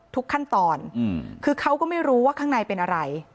ทุกขั้นตอนคือเขาก็ไม่รู้ว่าข้างในเป็นอะไร